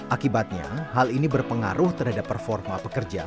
akibatnya hal ini berpengaruh terhadap performa pekerja